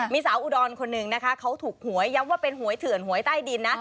มีสาวอุดรคนหนึ่งนะคะเขาถูกหวยย้ำว่าเป็นหวยเถื่อนหวยใต้ดินนะ